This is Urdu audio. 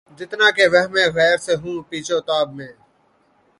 جتنا کہ وہمِ غیر سے ہوں پیچ و تاب میں